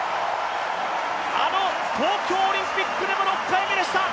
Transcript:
あの東京オリンピックでも６回目でした。